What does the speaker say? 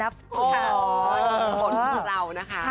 ฝนธนฟรรณของเรานะคะ